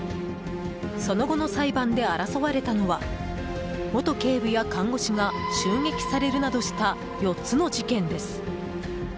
その後の裁判で争われたのは元警部や看護師が襲撃されるなどした４つの事件です。